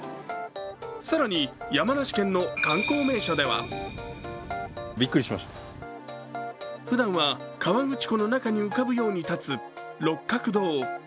更に山梨県の観光名所ではふだんは河口湖の中に浮かぶように建つ六角堂。